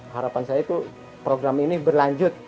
harapan saya itu program ini berlanjut